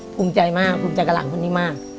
ภูมิใจมากภูมิใจกับหลานคนนี้มาก